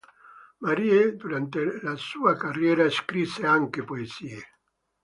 Marie durante la sua carriera scrisse anche poesie.